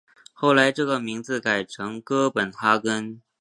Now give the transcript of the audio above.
后来这个名字改成哥本哈根。